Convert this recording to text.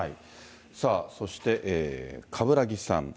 さあ、そして、冠木さん。